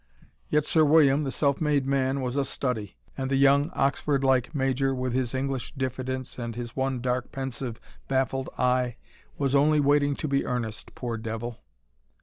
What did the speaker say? Yet Sir William, the self made man, was a study. And the young, Oxford like Major, with his English diffidence and his one dark, pensive, baffled eye was only waiting to be earnest, poor devil.